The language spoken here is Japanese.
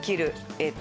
えーっと。